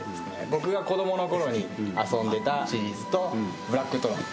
僕が子どもの頃に遊んでたシリーズとブラックトロン